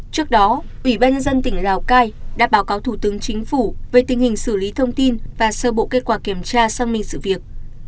trước đó ủy ban nhân dân tỉnh lào cai đã báo cáo thủ tướng chính phủ về tình hình xử lý thông tin và sơ bộ kết quả kiểm tra xác minh sự việc